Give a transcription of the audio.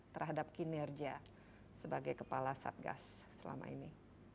terhadap kinerja sebagai kepala satgas selama ini